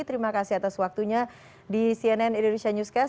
terima kasih atas waktunya di cnn indonesia newscast